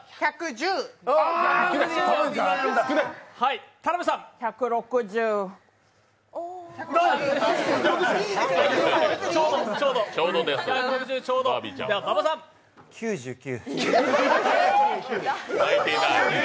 １６０９９。